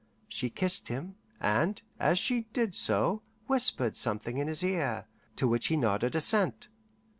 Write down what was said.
She kissed him, and, as she did so, whispered something in his ear, to which he nodded assent.